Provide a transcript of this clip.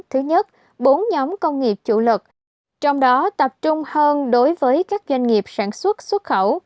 thứ nhất bốn nhóm công nghiệp chủ lực trong đó tập trung hơn đối với các doanh nghiệp sản xuất xuất khẩu